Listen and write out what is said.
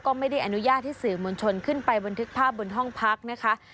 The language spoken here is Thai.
ก็ไม่ได้อนุญาตให้สื่อมวลชนขึ้นไปบันทึกภาพบนห้องพักนะคะ